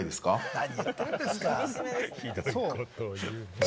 何言ってるんですか！